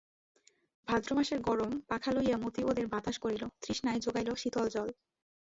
ভাদ্রমাসের গরম, পাখা লইয়া মতি ওদের বাতাস করিল, তৃষ্ণায় যোগাইল শীতল জল।